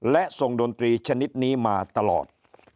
และทรงดนตรีชนิดนี้มาตลอด